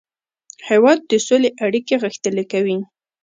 هېواد د سولې اړیکې غښتلې کوي.